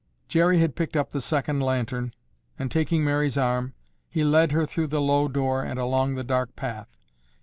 Jerry had picked up the second lantern and, taking Mary's arm, he led her through the low door and along the dark path.